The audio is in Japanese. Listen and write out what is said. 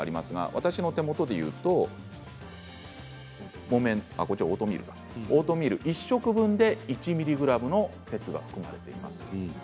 私の手元でいうとオートミール１食分で１ｍｇの鉄が含まれています。